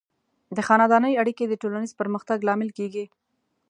د خاندنۍ اړیکې د ټولنیز پرمختګ لامل کیږي.